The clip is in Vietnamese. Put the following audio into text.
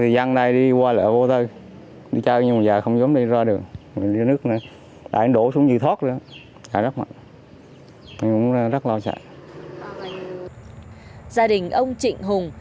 gia đình ông trịnh hùng